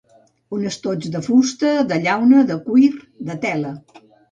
Un estoig de fusta, de llauna, de cuir, de tela.